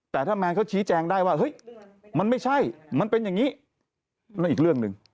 แต่ถ้าแมนเขาชี้แจงได้ว่าเฮ้ยมันไม่ใช่มันเป็นอย่างนี้นั่นอีกเรื่องหนึ่ง